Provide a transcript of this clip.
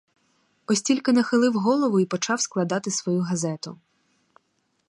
Ось тільки нахилив голову і почав складати свою газету.